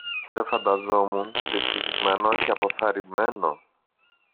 Σε φανταζόμουν δυστυχισμένο και αποθαρρυμένο